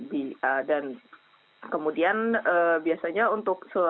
dan kemudian biasanya untuk